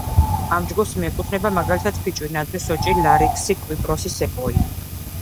ამ ჯგუფს მიეკუთვნება მაგალითად, ფიჭვი, ნაძვი, სოჭი, ლარიქსი, კვიპაროზი, სეკვოია.